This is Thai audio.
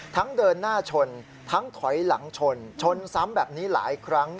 เดินหน้าชนทั้งถอยหลังชนชนซ้ำแบบนี้หลายครั้ง